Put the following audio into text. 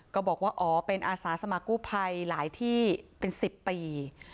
ก็บอกว่าอ๋อเป็นอาสาสมกู้ภัยหลายที่เป็น๑๐ปี